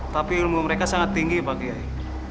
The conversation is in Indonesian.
tapi ilmu mereka sangat tinggi pak kiai